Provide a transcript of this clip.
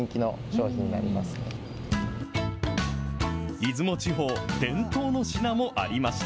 出雲地方伝統の品もありました。